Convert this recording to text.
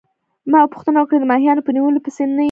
ما پوښتنه وکړه: د ماهیانو په نیولو پسي نه يې وتلی؟